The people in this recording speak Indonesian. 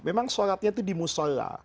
memang sholatnya itu di musola